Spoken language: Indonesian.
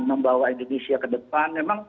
membawa indonesia ke depan